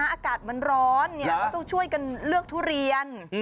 อากาศมันร้อนเนี่ยก็ต้องช่วยเลือกทุเรียน